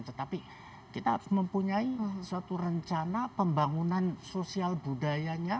tetapi kita harus mempunyai suatu rencana pembangunan sosial budayanya